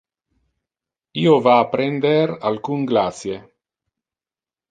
Io va a prender alcun glacie.